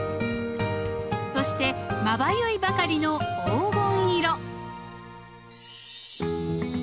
そしてまばゆいばかりの黄金色。